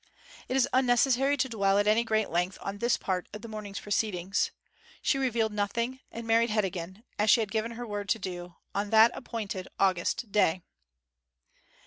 It is unnecessary to dwell at any great length on this part of the morning's proceedings. She revealed nothing; and married Heddegan, as she had given her word to do, on that appointed August day.